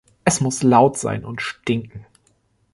Es muss laut sein und stinken.